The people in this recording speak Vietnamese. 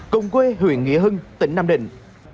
cộng quê huyện nghĩa hưng tỉnh nam định